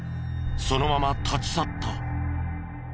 そのまま立ち去った。